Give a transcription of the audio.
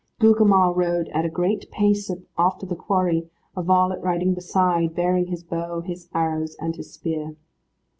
Gugemar rode at a great pace after the quarry, a varlet riding beside, bearing his bow, his arrows and his spear.